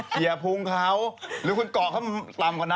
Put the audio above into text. เขียนพุงเขาหรือคุณก่อกเข้าทั้งกว่านั้นล่ะ